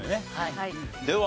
では。